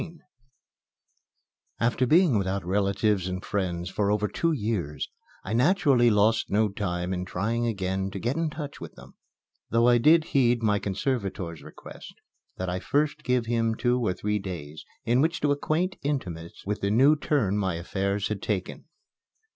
XIV After being without relatives and friends for over two years I naturally lost no time in trying again to get in touch with them; though I did heed my conservator's request that I first give him two or three days in which to acquaint intimates with the new turn my affairs had taken.